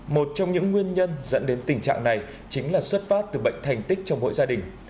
một trong những nguyên nhân dẫn đến tình trạng này chính là xuất phát từ bệnh thành tích trong mỗi gia đình